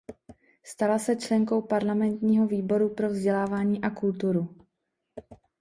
Stala se členkou parlamentního výboru pro vzdělávání a kulturu.